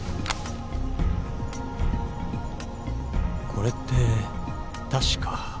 これって確か。